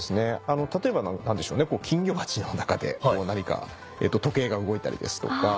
例えば何でしょうね金魚鉢の中で何か時計が動いたりですとか。